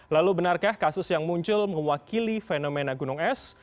lalu benarkah kasus yang muncul mewakili fenomena gunung es